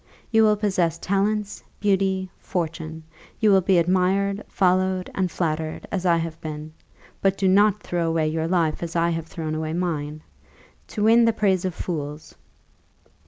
You will possess talents, beauty, fortune; you will be admired, followed, and flattered, as I have been: but do not throw away your life as I have thrown away mine to win the praise of fools.